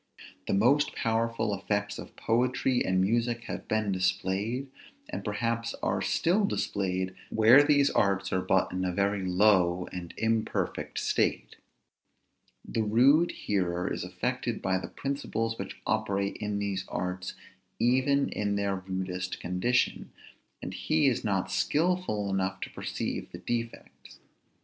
The most powerful effects of poetry and music have been displayed, and perhaps are still displayed, where these arts are but in a very low and imperfect state. The rude hearer is affected by the principles which operate in these arts even in their rudest condition; and he is not skilful enough to perceive the defects.